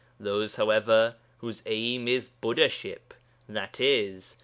Those, however, whose aim is Buddhaship (i.e.